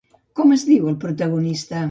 Com es diu el protagonista?